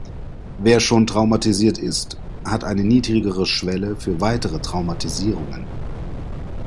Wer schon traumatisiert ist, hat eine niedrigere Schwelle für weitere Traumatisierungen.